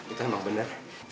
itu emang bener